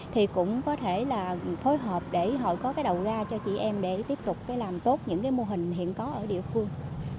thì cũng có thể là phối hợp để họ có cái đầu ra cho chị em để tiếp tục làm tốt những cái mô hình hiện có ở địa phương